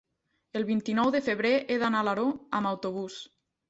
El vint-i-nou de febrer he d'anar a Alaró amb autobús.